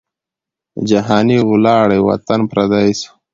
جهاني ولاړې وطن پردی سو